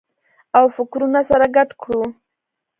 او فکرونه سره ګډ کړو